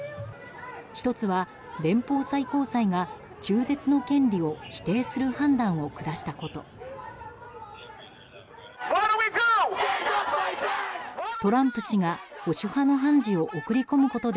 １つは、連邦最高裁が中絶の権利を否定する判断を下したこと。